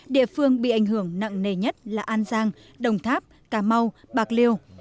địa phương bị ảnh hưởng nặng nề nhất là an giang đồng tháp cà mau bạc liêu